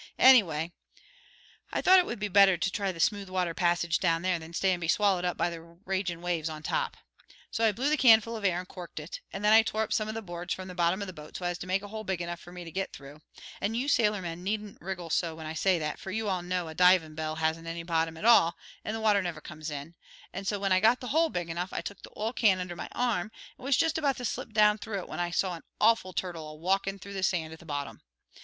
Anyway, I thought it would be better to try the smooth water passage down there than stay and be swallowed up by the ragin' waves on top. "So I blew the can full of air and corked it, and then I tore up some of the boards from the bottom of the boat so as to make a hole big enough for me to get through, and you sailormen needn't wriggle so when I say that, for you all know a divin' bell hasn't any bottom at all and the water never comes in, and so when I got the hole big enough I took the oil can under my arm, and was just about to slip down through it when I saw an awful turtle a walkin' through the sand at the bottom.